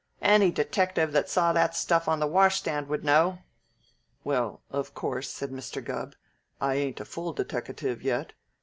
"Any detective that saw that stuff on the washstand would know." "Well, of course," said Mr. Gubb, "I ain't a full deteckative yet.